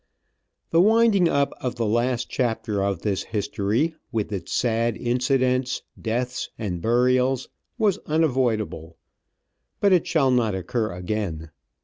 The winding up of the last chapter of this history, with its sad incidents, deaths and burials, was unavoidable, but it shall not occur again.